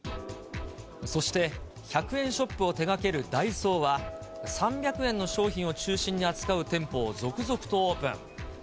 そして１００円ショップを手がけるダイソーは、３００円の商品を中心に扱う店舗を続々とオープン。